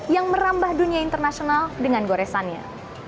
yang merambah dunia internasional dengan goresannya